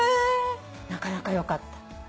なかなかよかった。